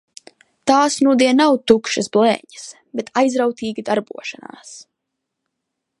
Tās nudien nav tukšas blēņas, bet aizrautīga darbošanās.